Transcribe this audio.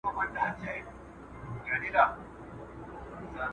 خوب او تنبلي پرېږدئ.